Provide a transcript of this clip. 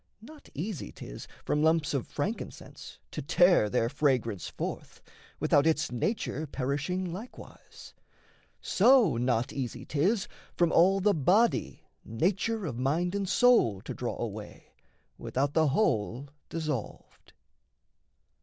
Not easy 'tis from lumps of frankincense To tear their fragrance forth, without its nature Perishing likewise: so, not easy 'tis From all the body nature of mind and soul To draw away, without the whole dissolved.